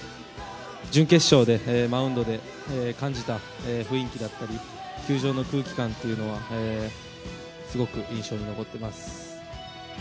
準決勝でマウンドで感じた雰囲気だったり球場の空気感というのはすごく印象に残ってます。